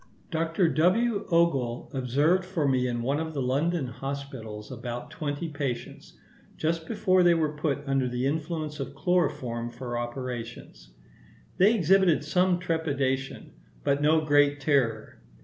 Dr. W. Ogle observed for me in one of the London hospitals about twenty patients, just before they were put under the influence of chloroform for operations. They exhibited some trepidation, but no great terror.